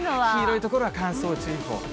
黄色い所は乾燥注意報。